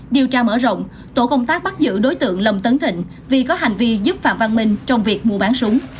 điều tra mở rộng tổ công tác bắt giữ đối tượng lâm tấn thịnh vì có hành vi giúp phạm văn minh trong việc mua bán súng